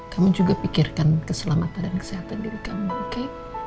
kamu juga pikirkan keselamatan dan kesehatan diri kamu oke